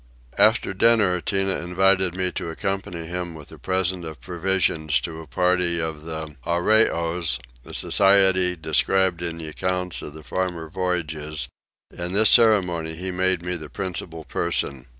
After dinner Tinah invited me to accompany him with a present of provisions to a party of the Arreoys, a society described in the accounts of the former voyages: in this ceremony he made me the principal person.